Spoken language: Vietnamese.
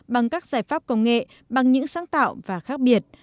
bằng các giải pháp công nghệ bằng những sáng tạo và khác biệt